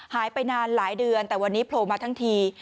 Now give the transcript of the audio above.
หายไปนานหลายเดือนแต่วันนี้โผล่มาทั้งที